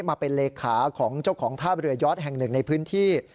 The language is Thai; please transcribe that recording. มาเป็นเลขาของเจ้าของท่าเรือยอดแห่งหนึ่งในพื้นที่